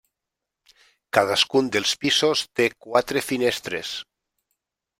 Cadascun dels pisos té quatre finestres.